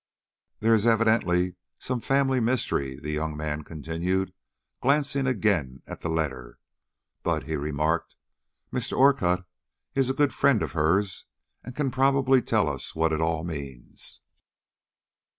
"There is evidently some family mystery," the young man continued, glancing again at the letter. "But," he remarked, "Mr. Orcutt is a good friend of hers, and can probably tell us what it all means."